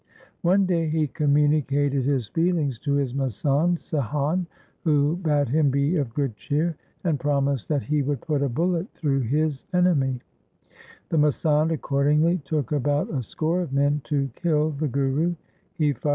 One day he communicated his feelings to his masand, Sihan, who bade him be of good cheer, and promised that he would put a bullet through his enemy. The masand accordingly took about a score of men to kill the Guru.